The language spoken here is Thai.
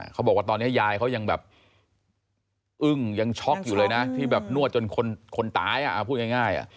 เขาบอกว่าตอนนี้ยายเขายังแบบอึ้งยังช็อกอยู่เลยนะที่แบบนวดจนคนตายพูดง่าย